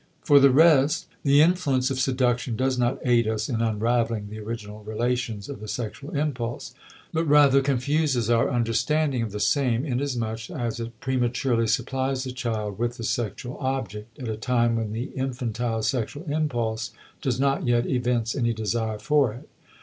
* For the rest, the influence of seduction does not aid us in unravelling the original relations of the sexual impulse, but rather confuses our understanding of the same, inasmuch as it prematurely supplies the child with the sexual object at a time when the infantile sexual impulse does not yet evince any desire for it.